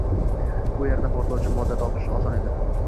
U yerda portlovchi modda topish oson edi